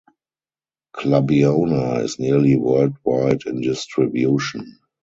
"Clubiona" is nearly worldwide in distribution.